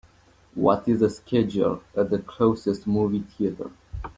What is the schedule at the closest movie theatre?